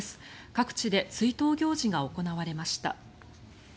各地で追悼行事が行われました。